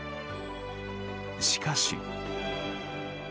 しかし。